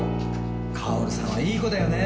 かおるさんはいい子だよね。